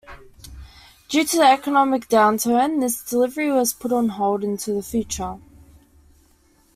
Due to the economic downturn this delivery was put on hold until the future.